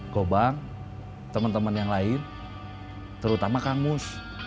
kobang teman teman yang lain terutama kang mus